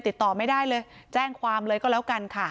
ติดต่อไม่ได้เลยแจ้งความเลยก็แล้วกันค่ะ